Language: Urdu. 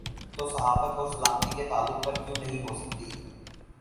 تو صحافت اور سلامتی کے تعلق پر کیوں نہیں ہو سکتی؟